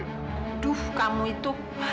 aduh kamu itu